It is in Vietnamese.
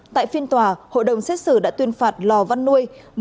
tại phiên tòa hội đồng xét xử đã tuyên phạt lò văn nuôi